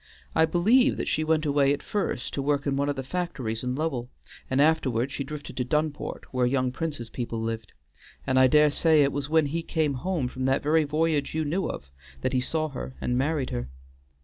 I believe that she went away at first to work in one of the factories in Lowell, and afterward she drifted to Dunport, where young Prince's people lived, and I dare say it was when he came home from that very voyage you knew of that he saw her and married her.